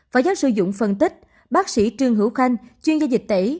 phó giáo sư dũng phân tích bác sĩ trương hữu khanh chuyên gia dịch tẩy